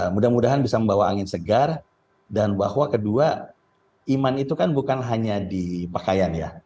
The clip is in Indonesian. mudah mudahan bisa membawa angin segar dan bahwa kedua iman itu kan bukan hanya di pakaian ya